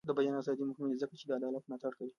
د بیان ازادي مهمه ده ځکه چې د عدالت ملاتړ کوي.